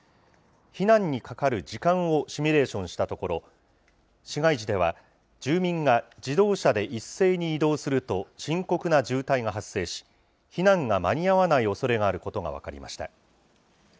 避難にかかる時間をシミュレーションしたところ、市街地では、住民が自動車で一斉に移動すると、深刻な渋滞が発生し、避難が間に合わないおそれがあることが分かりました。